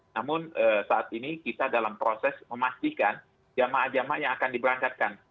namun saat ini kita dalam proses memastikan jemaah jemaah yang akan diberangkatkan